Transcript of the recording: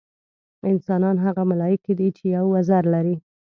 انسانان هغه ملایکې دي چې یو وزر لري.